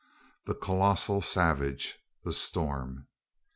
THE COLOSSAL SAVAGE, THE STORM.